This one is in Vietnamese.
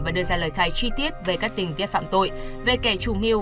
và đưa ra lời khai chi tiết về các tình tiết phạm tội về kẻ chú miêu